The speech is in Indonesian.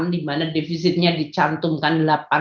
di mana defisitnya dicantumkan